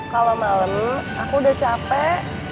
kalau malam aku udah capek